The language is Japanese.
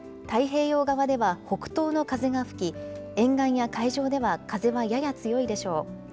太平洋側では北東の風が吹き、沿岸や海上では風はやや強いでしょう。